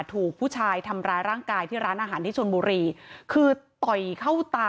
ถูกผู้ชายทำร้ายร่างกายที่ร้านอาหารที่ชนบุรีคือต่อยเข้าตา